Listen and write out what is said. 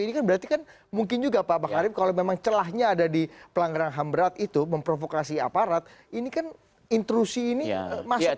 ini kan berarti kan mungkin juga pak makarim kalau memang celahnya ada di pelanggaran ham berat itu memprovokasi aparat ini kan intrusi ini masuk